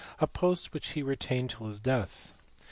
a post which he retained till his death.